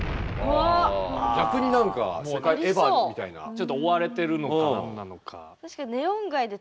ちょっと追われてるのか何なのか。